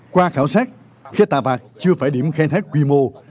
qua khảo sát khi tà bạc chưa phải điểm khai thác quy mô